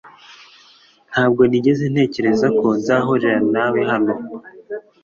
Ntabwo nigeze ntekereza ko nzahurira nawe hano